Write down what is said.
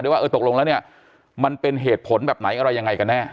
ว่าเออตกลงแล้วเนี่ยมันเป็นเหตุผลแบบไหนอะไรยังไงกันแน่